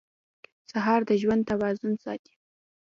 سهار د ژوند توازن ساتي.